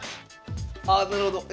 ああなるほどえ？